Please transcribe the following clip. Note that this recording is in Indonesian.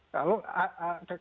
kalau kalengnya itu tidak ditambah